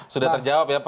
sudah terjawab ya